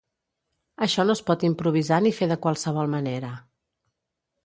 Això no es pot improvisar ni fer de qualsevol manera.